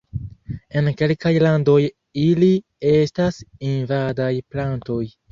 En kelkaj landoj ili estas invadaj plantoj.